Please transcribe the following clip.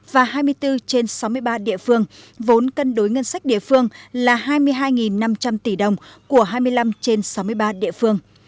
và hai mươi bốn trên sáu mươi ba địa phương vốn cân đối ngân sách địa phương là hai mươi hai năm trăm linh tỷ đồng của hai mươi năm trên sáu mươi ba địa phương